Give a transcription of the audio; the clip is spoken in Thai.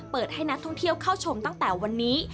ให้นักท่องเที่ยวเข้าชมตั้งแต่วันนี้